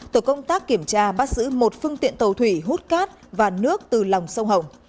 tổ công tác kiểm tra bắt giữ một phương tiện tàu thủy hút cát và nước từ lòng sông hồng